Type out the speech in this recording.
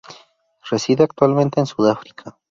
Reside actualmente en Sudáfrica.